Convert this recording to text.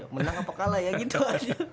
menang apa kalah ya gitu aja